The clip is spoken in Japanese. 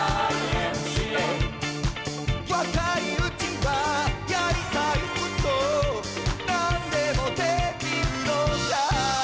「若いうちはやりたいこと何でもできるのさ」